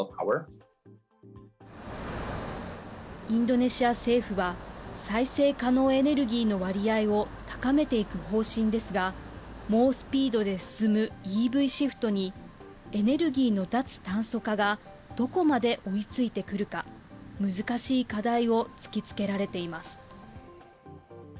インドネシア政府は再生可能エネルギーの割合を高めていく方針ですが、猛スピードで進むＥＶシフトに、エネルギーの脱炭素化がどこまで追いついてくるか、難しい課題を突きつけられています。